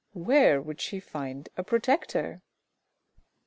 where would she find a protector?